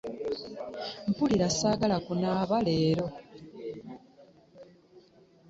Mpulira saagala kunaaba leero.